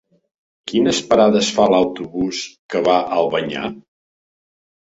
Quines parades fa l'autobús que va a Albanyà?